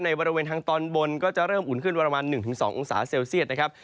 บริเวณทางตอนบนก็จะเริ่มอุ่นขึ้นประมาณ๑๒องศาเซลเซียตนะครับ